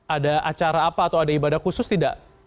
ada acara apa atau ada ibadah khusus tidak